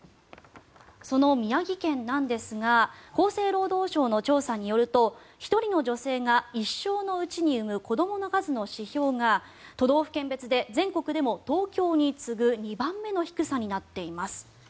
その宮城県なんですが厚生労働省の調査によると１人の女性が一生のうちに産む子どもの数の指標が都道府県別で全国でも東京に次ぐ２番目の低さになっています。